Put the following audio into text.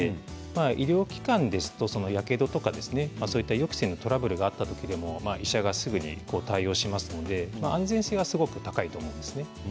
医療機関ですと、やけどや予期せぬトラブルがあった時にも医者がすぐに対応しますので安全性はすごく高いと思うんですね。